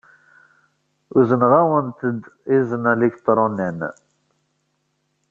Uzneɣ-awent-d izen aliktṛunan.